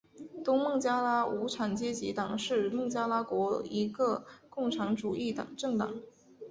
东孟加拉无产阶级党是孟加拉国的一个共产主义政党。